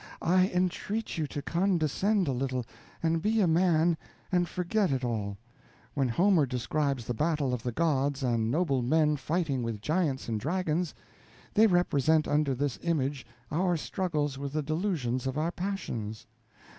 I entreat you to condescend a little, and be a man, and forget it all. When Homer describes the battle of the gods and noble men fighting with giants and dragons, they represent under this image our struggles with the delusions of our passions.